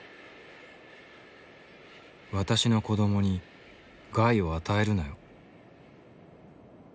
「私の子どもに害を与えるなよ」。